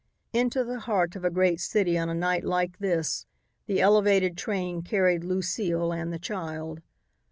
Into the heart of a great city on a night like this the elevated train carried Lucile and the child.